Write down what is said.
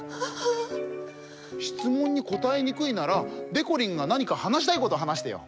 しつもんにこたえにくいならでこりんがなにか話したいこと話してよ。